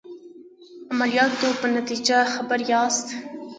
عملیاتو په نتیجه خبر یاست.